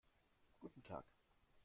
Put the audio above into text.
Guten Tag.